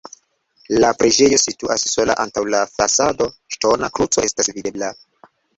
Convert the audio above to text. La preĝejo situas sola, antaŭ la fasado ŝtona kruco estas videbla.